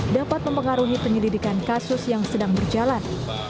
dapat mempengaruhi penyelidikan kasus yang sedang berjalan